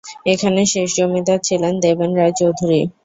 এখানে শেষ জমিদার ছিলেন দেবেন রায় চৌধুরী।